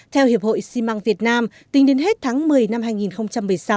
theo hiệp hội xi măng việt nam tính đến hết tháng một mươi năm hai nghìn một mươi sáu